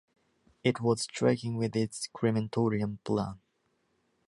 It was striking with its crematorium plan.